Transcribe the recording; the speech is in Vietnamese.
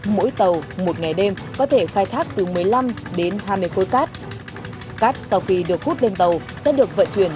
mỗi tàu một ngày đêm có thể khai thác từ một mươi năm đến hai mươi khối cát cát sau khi được hút lên tàu sẽ được vận chuyển